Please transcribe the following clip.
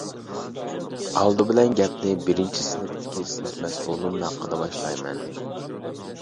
ئالدى بىلەن گەپنى بىرىنچى سىنىپتىكى سىنىپ مەسئۇلۇم ھەققىدە باشلايمەن.